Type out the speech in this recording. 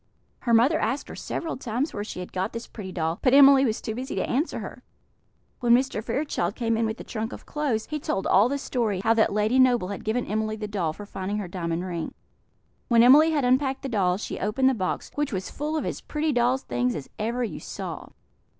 Her mother asked her several times where she had got this pretty doll; but Emily was too busy to answer her. When Mr. Fairchild came in with the trunk of clothes, he told all the story; how that Lady Noble had given Emily the doll for finding her diamond ring. When Emily had unpacked the doll, she opened the box, which was full of as pretty doll's things as ever you saw.